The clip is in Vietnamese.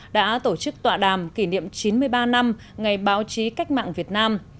đã tổ chức tọa đàm kỷ niệm chín mươi ba năm ngày báo chí cách mạng việt nam